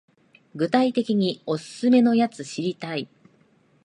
具体的にオススメのやつ知りたい